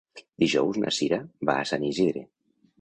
Dijous na Cira va a Sant Isidre.